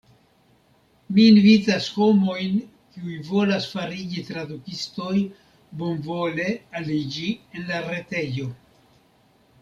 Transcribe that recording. Mi invitas homojn kiuj volas fariĝi tradukistoj bonvole aliĝi en la retejo.